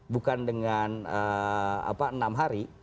bukan dengan enam hari